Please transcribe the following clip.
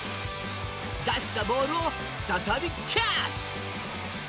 出したボールを再びキャッチ。